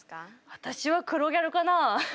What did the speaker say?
私は黒ギャルかな。